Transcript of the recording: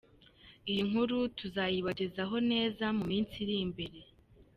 Iyi nkuru tuzayibagezaho neza mu minsi iri imbere.